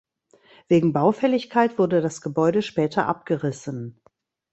Wegen Baufälligkeit wurde das Gebäude später abgerissen.